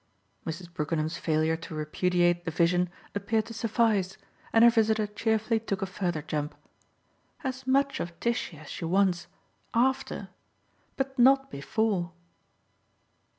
Mrs. Brookenham's failure to repudiate the vision appeared to suffice, and her visitor cheerfully took a further jump. "As much of Tishy as she wants AFTER. But not before."